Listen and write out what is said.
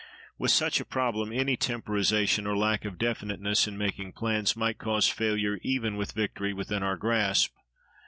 With such a problem any temporization or lack of definiteness in making plans might cause failure even with victory within our grasp.